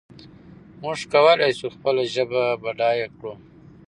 موږ کولای شو خپله ژبه بډایه کړو.